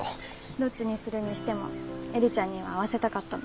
どっちにするにしても映里ちゃんには会わせたかったの。